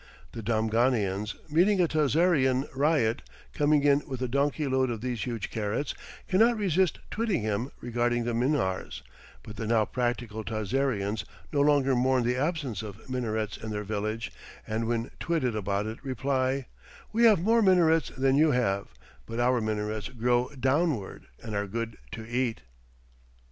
The Damghanians, meeting a Tazarian ryot coming in with a donkey load of these huge carrots, cannot resist twitting him regarding the minars; but the now practical Tazarians no longer mourn the absence of minarets in their village, and when twitted about it, reply: "We have more minarets than you have, but our minarets grow downward and are good to eat."